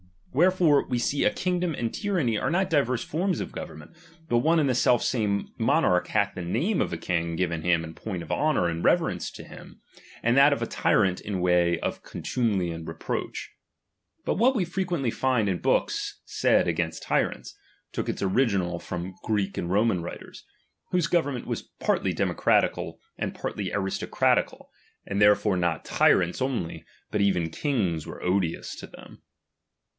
Wherefore we see a kingdom and tyranny are not diverse forms of government, but one and the self same monarch bath the name of a king given him in point of bonour and reverence to him, and of a tyrant in Way of contumely and reproach. But what we frequently find in books said against tyrants, took its original from Greek and Roman writers, whose government was partly democratieal, and partly aristocratical, and therefore not tyrants only, but even kings were odious to them.